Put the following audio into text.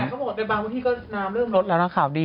แต่เขาบอกว่าในบางพื้นที่ก็น้ำเริ่มลดแล้วนะครับดี